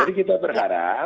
jadi kita berharap